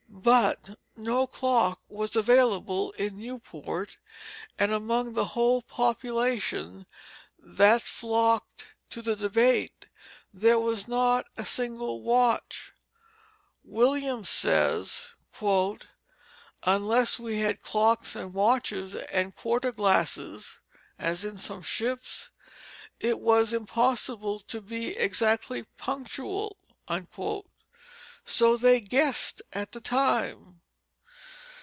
But no clock was available in Newport; and among the whole population that flocked to the debate, there was not a single watch. Williams says, "unless we had Clocks and Watches and Quarter Glasses (as in some Ships) it was impossible to be exactly punctual," so they guessed at the time.